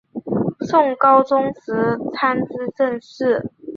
宋高宗时参知政事。